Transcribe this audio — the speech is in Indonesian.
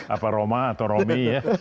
apa roma atau romi ya